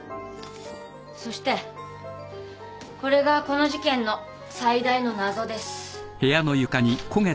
そしてこれがこの事件の最大の謎です。